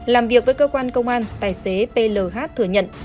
làm việc với cơ quan công an tài xế pl thừa nhận